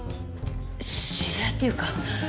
知り合いっていうか